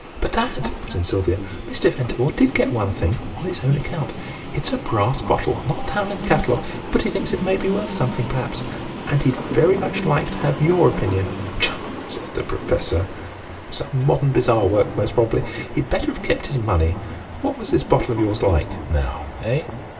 "But, dad," put in Sylvia, "Mr. Ventimore did get one thing on his own account. It's a brass bottle, not down in the catalogue, but he thinks it may be worth something perhaps. And he'd very much like to have your opinion." "Tchah!" said the Professor. "Some modern bazaar work, most probably. He'd better have kept his money. What was this bottle of yours like, now, eh?"